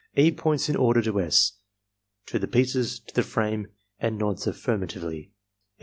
E. points in order to S., to the pieces, to the frame, and nods affirmatively.